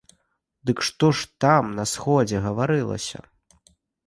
Дык што ж там на сходзе гаварылася?